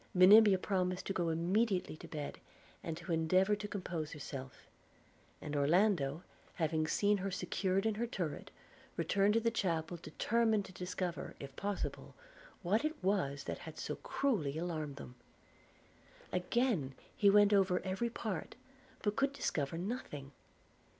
Monimia promised to go immediately to bed, and to endeavour to compose herself; and Orlando, having seen her secured in her turret, returned to the chapel determined to discover, if possible, what it was that had so cruelly alarmed them. Again he went over every part, but could discover nothing.